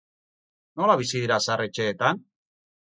Nola bizi dira zahar-etxeetan?